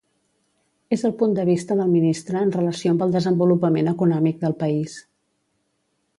Es el punt de vista del ministre, en relació amb el desenvolupament econòmic del país.